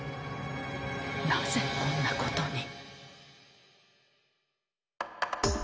なぜこんなことに。